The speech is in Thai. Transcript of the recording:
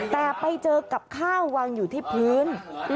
แต่ไปเจอกับข้าววางอยู่ที่พื้น